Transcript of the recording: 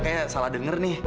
kayak salah denger nih